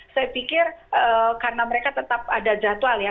saya pikir karena mereka tetap ada jadwal ya